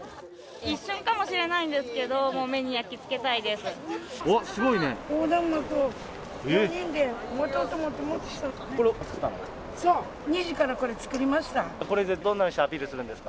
一瞬かもしれないんですけど、もう目に焼き付けたいです。